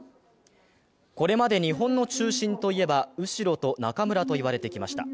これまで日本の中心といえば、右代と中村と言われてきました。